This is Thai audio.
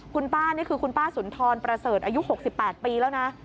คุณป้านี่คือคุณป้าสุนทรประเสริฐอายุ๖๘ปีแล้วนะ